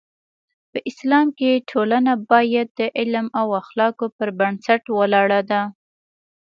په اسلام کې ټولنه باید د علم او اخلاقو پر بنسټ ولاړه ده.